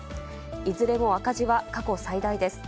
いずれも赤字は過去最大です。